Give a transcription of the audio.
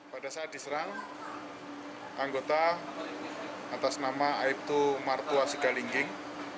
pada saat diserang anggota atas nama aibtu martu asika lingging